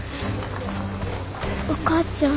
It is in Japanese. お母ちゃん。